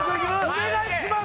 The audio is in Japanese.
お願いします！